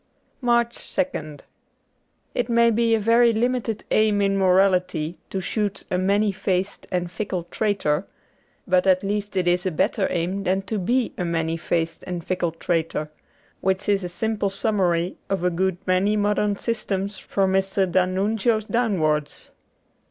'' 67 MARCH 2nd IT may be a very limited aim in morality to shoot a ' many faced and fickle traitor, ' but at least it is a better aim than to be a many faced and fickle traitor, which is a simple summary of a good many modern systems from Mr. d'Annunzio's downwards.